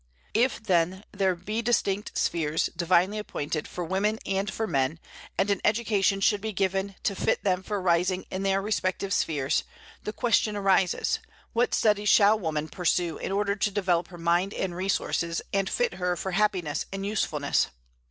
If, then, there be distinct spheres, divinely appointed, for women and for men, and an education should be given to fit them for rising in their respective spheres, the question arises, What studies shall woman pursue in order to develop her mind and resources, and fit her for happiness and usefulness?